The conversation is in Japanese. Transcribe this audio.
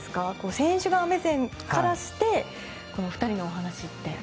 選手側の目線から見て２人のお話って。